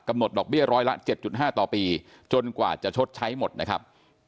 ดอกเบี้ยร้อยละ๗๕ต่อปีจนกว่าจะชดใช้หมดนะครับ